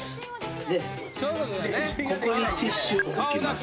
でここにティッシュを置きます。